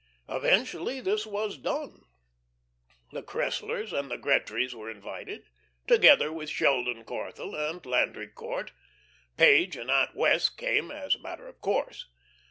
Eventually this was done. The Cresslers and the Gretrys were invited, together with Sheldon Corthell and Landry Court. Page and Aunt Wess' came as a matter of course.